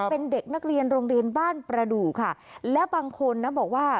เป็นเด็กนักเรียนโรงเรียนบ้านประดูกค่ะและบางคนนะบอกว่า